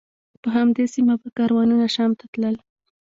په همدې سیمه به کاروانونه شام ته تلل.